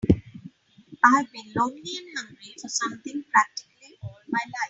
I've been lonely and hungry for something practically all my life.